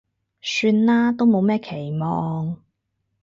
算啦，都冇咩期望